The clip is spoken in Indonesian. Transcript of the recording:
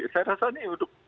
saya rasa ini untuk